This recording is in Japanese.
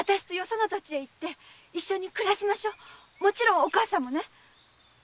もちろんお義母さんもね。